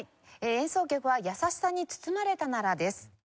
演奏曲は『やさしさに包まれたなら』です。